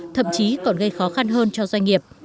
thậm chí còn gây khó khăn hơn cho doanh nghiệp